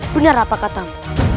benar apa katamu